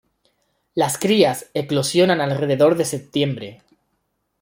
Las crías eclosionan alrededor de septiembre.